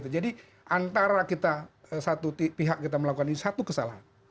jadi antara satu pihak kita melakukan ini satu kesalahan